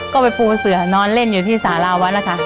ก็ไปปูเสือนอนเล่นอยู่ที่สาราวัดล่ะค่ะ